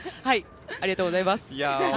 ありがとうございます。